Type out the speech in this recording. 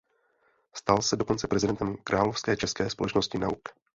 Stal se dokonce prezidentem Královské české společnosti nauk.